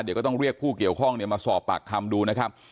เดี๋ยวก็ต้องเรียกผู้เกี่ยวข้องมาสอบปากคำดูนะครับ